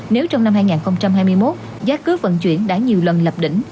nếu trong năm hai nghìn hai mươi một giá cước vận chuyển đã nhiều lần lập đỉnh